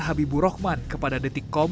habibu rohman kepada detik kom